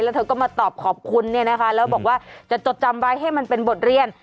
แล้วเธอก็มาตอบขอบคุณเนี่ยนะคะแล้วบอกว่าจะจดจำไว้ให้มันเป็นบทเรียน